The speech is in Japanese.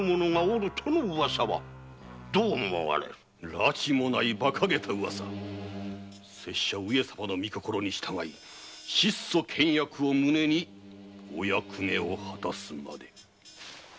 ラチもないバカげたウワサ拙者上様のみ心に従い質素倹約を旨にお役目を果たすまで。